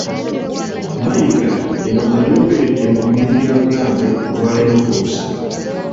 Mayiga bino abyogeredde mu bimuli bya Bulange olwaleero ku Lwokusatu.